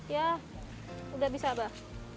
ya udah bisa mbak